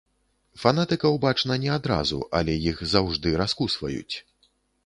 Фанатыкаў бачна не адразу, але іх заўжды раскусваюць.